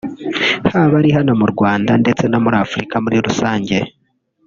haba ari hano mu Rwanda ndetse no muri afurika muri rusange